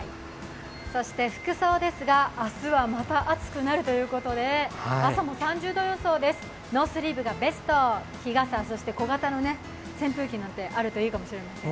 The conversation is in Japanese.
そして、服装ですが、明日はまた暑くなるということで、朝も３０度予想です、ノースリーブがベスト、日傘そして小型の扇風機などあるといいですね。